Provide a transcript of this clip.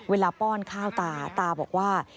ป้อนข้าวตาตาบอกว่า